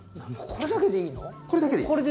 これだけでいいの？